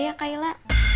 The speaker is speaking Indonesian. siapa si kak ila